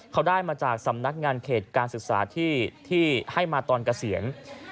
เขาได้มาจากสำนักงานเขตการศึกษาที่ให้มาตอนเกษียณ